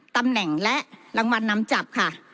ตำแหน่งและรางวัลนำจับค่ะ